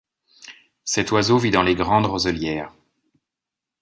Cet oiseau vit dans les grandes roselières.